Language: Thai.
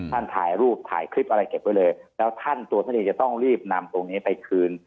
ถ่ายรูปถ่ายคลิปอะไรเก็บไว้เลยแล้วท่านตัวท่านเองจะต้องรีบนำตรงนี้ไปคืน